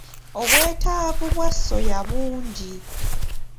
Obwetaavu bwa soya bungi.